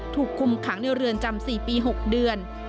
ถูกคุมขังในเรือนจำ๔ปี๖เดือน